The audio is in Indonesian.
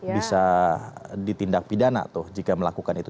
bisa ditindak pidana tuh jika melakukan itu